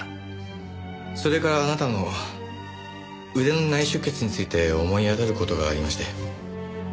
それからあなたの腕の内出血について思い当たる事がありまして。